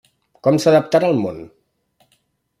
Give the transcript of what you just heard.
Com s'adaptarà el món?